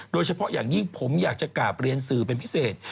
โดยเฉพาะอย่างยิ่งผมอยากจะกราบเรียนสื่อเป็นพิเศษ